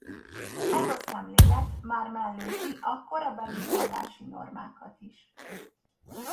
Ez a szemlélet már mellőzi a korabeli vallási normákat is.